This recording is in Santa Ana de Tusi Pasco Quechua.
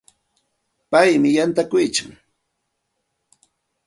Paymi yantakuykan.